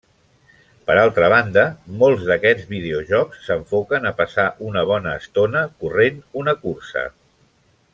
Per altra banda, molts d'aquests videojocs s'enfoquen a passar una bona estona corrent una cursa.